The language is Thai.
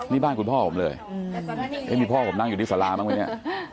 นี่บ้านคุณพ่อผมเลยมีพ่อผมนั่งอยู่ที่สาราบ้างไหมเนี่ย